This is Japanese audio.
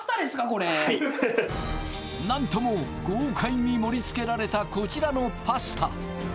これなんとも豪快に盛りつけられたこちらのパスタ